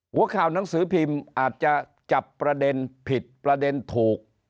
หัวข่าวหนังสือพิมพ์อาจจะจับประเด็นผิดประเด็นถูก